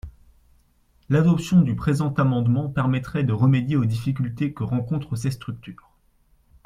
L’adoption du présent amendement permettrait de remédier aux difficultés que rencontrent ces structures.